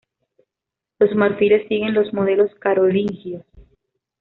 Los marfiles siguen los modelos carolingios.